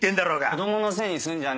子供のせいにすんじゃねえよ。